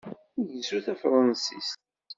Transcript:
Igezzu tafṛansist.